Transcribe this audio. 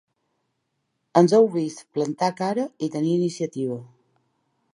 Ens heu vist plantar cara i tenir iniciativa.